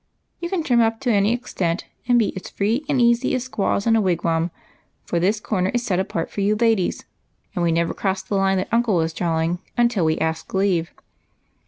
You can trim up to any extent, and be as free and easy as squaws in a wigwam, for this corner is set apart for you ladies, and we never cross the line uncle is drawing until we ask leave.